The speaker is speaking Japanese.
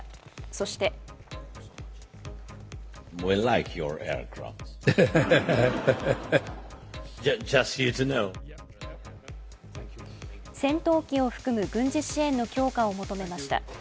そして戦闘機を含む軍事支援の強化を求めました。